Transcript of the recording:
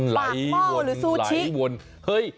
ปากหม้อหรือซูชิ